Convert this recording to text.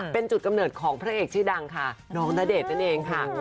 เป็นจุดกำเนิดของพระเอกชื่อดังค่ะน้องณเดชน์นั่นเองค่ะ